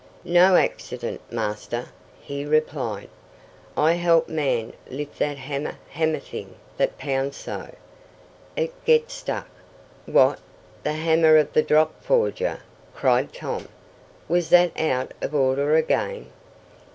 "No accident, Master," he replied. "I help man lift that hammer hammer thing that pounds so. It get stuck!" "What, the hammer of the drop forger?" cried Tom. "Was that out of order again?"